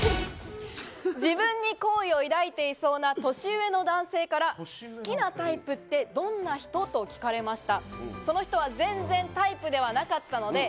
自分に好意を抱いていそうな年上の男性から好きなタイプってどんな人？と聞かれました。